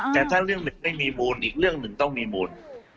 แต่ถ้าเรื่องหนึ่งไม่มีมูลอีกเรื่องหนึ่งต้องมีมูล